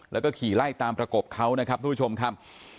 แล้วก็ขี่ไล่ตามประกบเขานะครับทุกผู้ชมครับ